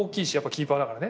キーパーだからね。